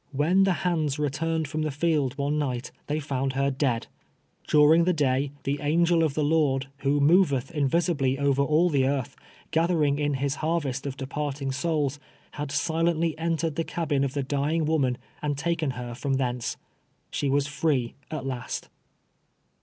AVlien the hands returned from the field one night they found her dead ! Du ring the day, the Angel of tlie Lord, who moveth in visibly over all the earth, gathering in his harvest of departing souls, had silently entered the cabin of the dying M'oman, and taken lier from thence. She Avas free at last